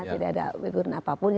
tidak ada background apapun